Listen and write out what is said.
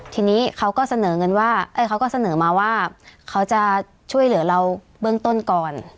ทีนี้เขาก็เสนอเงินว่าเขาก็เสนอมาว่าเขาจะช่วยเหลือเราเบื้องต้นก่อน